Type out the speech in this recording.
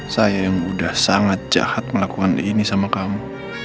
saya yang sudah sangat jahat melakukan ini sama kamu